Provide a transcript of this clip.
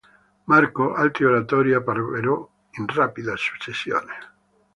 Marco"; altri oratori apparvero in rapida successione.